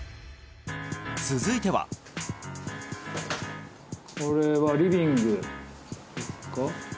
続いてはこれはリビングですか？